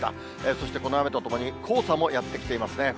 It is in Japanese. そして、この雨とともに黄砂もやって来ていますね。